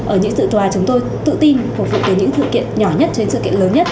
ở những sự tòa chúng tôi tự tin phục vụ tới những sự kiện nhỏ nhất cho đến sự kiện lớn nhất